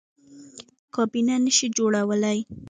کابینه نه شي جوړولی.